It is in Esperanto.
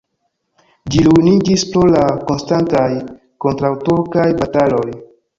Ĝi ruiniĝis pro la konstantaj kontraŭturkaj bataloj.